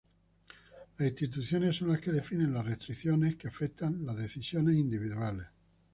Las instituciones son las que definen las restricciones que afectan las decisiones individuales.